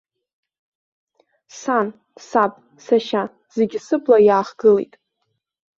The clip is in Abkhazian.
Сан, саб, сашьа, зегьы сыбла иаахгылеит.